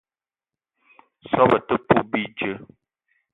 Soobo te poup bidjeu.